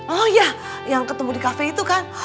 oh iya yang ketemu di cafe itu kan